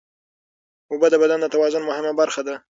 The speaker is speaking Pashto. اوبه د بدن د توازن مهمه برخه ده.